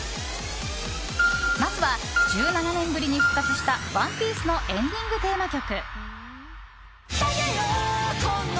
まずは、１７年ぶりに復活した「ＯＮＥＰＩＥＣＥ」のエンディングテーマ曲。